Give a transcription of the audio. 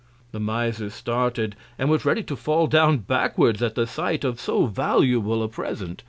The Miser started, and was ready to fall down backwards at the Sight of so valuable a Present.